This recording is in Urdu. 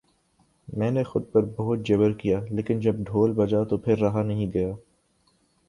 میں نے خود پر بہت جبر کیا لیکن جب ڈھول بجا تو پھر رہا نہیں گیا